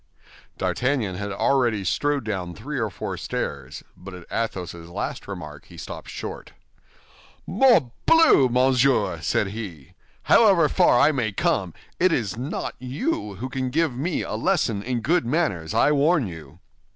D'Artagnan had already strode down three or four stairs, but at Athos's last remark he stopped short. "Morbleu, monsieur!" said he, "however far I may come, it is not you who can give me a lesson in good manners, I warn you."